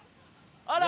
あら。